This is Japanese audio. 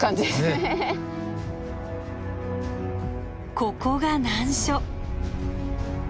ここが難所。